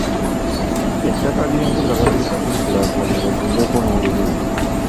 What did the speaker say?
Ettaka ly'embuga bagenda kulikulaakulanya bazimbeko n'olubiri.